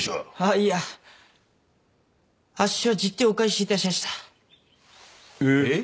いやあっしは十手をお返し致しやしたえっ？